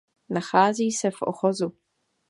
Nachází se v ochozu.